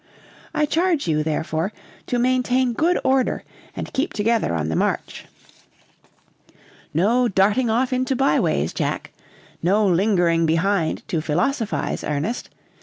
I charge you, therefore, to maintain good order, and keep together on the march. No darting off into by ways, Jack. No lingering behind to philosophize, Ernest.